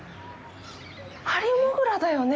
ハリモグラだよね？